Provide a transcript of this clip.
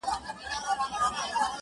يوه ورځ نوبت په خپله د سلطان سو!.